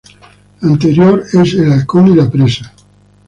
La anterior es "El halcón y la presa".